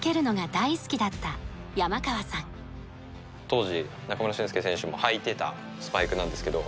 当時中村俊輔選手も履いてたスパイクなんですけど。